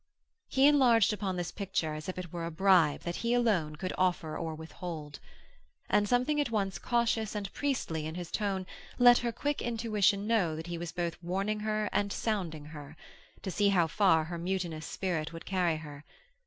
He enlarged upon this picture as if it were a bribe that he alone could offer or withhold. And something at once cautious and priestly in his tone let her quick intuition know that he was both warning her and sounding her, to see how far her mutinous spirit would carry her.